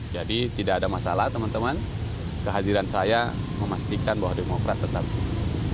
jadi tidak ada masalah teman teman kehadiran saya memastikan bahwa demokrat tetap di sini